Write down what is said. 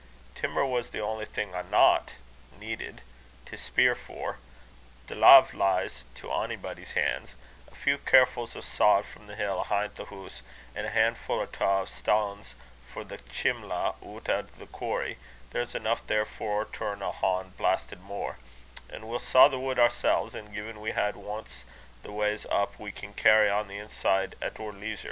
Timmer was the only thing I not (needed) to spier for; the lave lies to ony body's han' a few cart fu's o' sods frae the hill ahint the hoose, an' a han'fu' or twa o' stanes for the chimla oot o' the quarry there's eneuch there for oor turn ohn blastit mair; an' we'll saw the wood oorsels; an' gin we had ance the wa's up, we can carry on the inside at oor leisur'.